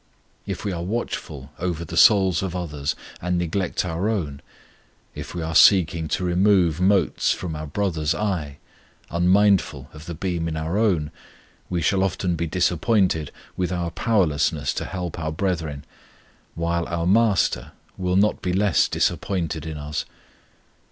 If we are watchful over the souls of others, and neglect our own if we are seeking to remove motes from our brother's eye, unmindful of the beam in our own, we shall often be disappointed with our powerlessness to help our brethren, while our MASTER will not be less disappointed in us.